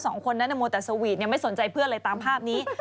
สองคนนั้นมัวแต่สวีทไม่สนใจเพื่อนเลยตามภาพนี้